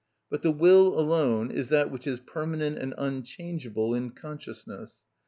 But the will alone is that which is permanent and unchangeable in consciousness.